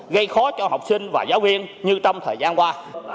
gây khó cho học sinh và giáo viên như trong thời gian qua